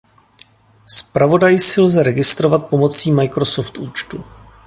Zpravodaj si lze registrovat pomocí Microsoft účtu.